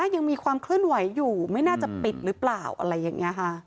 ยังมีความเคลื่อนไหวอยู่ไม่น่าจะปิดหรือเปล่าอะไรอย่างนี้ค่ะ